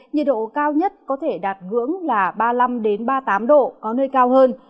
nhiệt độ cao nhất có thể đạt ngưỡng là ba mươi năm ba mươi tám độ có nơi cao hơn